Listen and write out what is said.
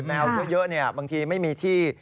แมวเยอะบางทีไม่มีที่